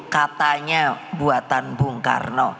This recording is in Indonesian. katanya buatan bung karno